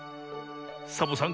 サボさん